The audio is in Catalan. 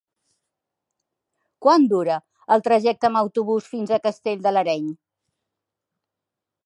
Quant dura el trajecte en autobús fins a Castell de l'Areny?